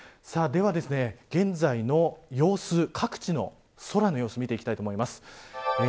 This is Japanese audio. では、現在の様子、各地の空の様子を見ていきたいと思います。